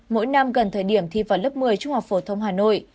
mỗi năm gần thời điểm thi vào lớp một mươi trung học phổ thông hà nội